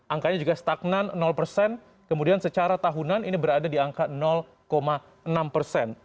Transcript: angkanya juga stagnan persen kemudian secara tahunan ini berada di angka enam persen